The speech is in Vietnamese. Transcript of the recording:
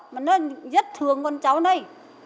mà nó rất thương con cháu này